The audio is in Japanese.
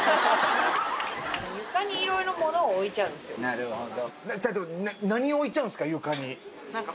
なるほど。